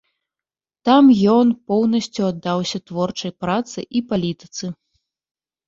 Там ён поўнасцю аддаўся творчай працы і палітыцы.